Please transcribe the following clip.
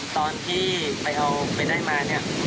ตอนที่ไปเอาไปได้มา